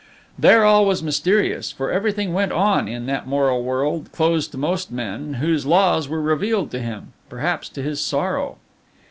There all was mysterious, for everything went on in that moral world, closed to most men, whose laws were revealed to him perhaps to his sorrow.